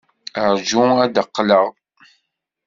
Rju ad d-qqleɣ.